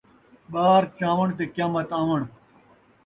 ٻار چاوݨ تے قیامت آوݨ